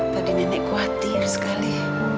tadi nenek khawatir sekali